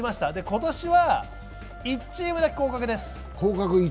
今年は１チームだけ降格です。